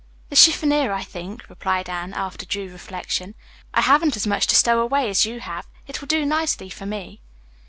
"The chiffonier, I think," replied Anne, after due reflection. "I haven't as much to stow away as you have. It will do nicely for me."